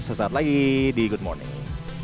sesaat lagi di good morning